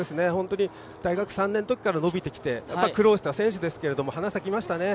大学３年の時から伸びてきて苦労してきた選手でしたけど花咲きましたね。